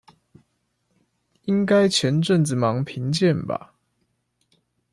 應該前陣子忙著評鑑吧